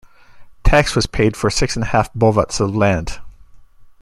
Tax was paid for six and a half bovats of land.